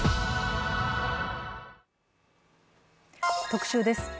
特集です。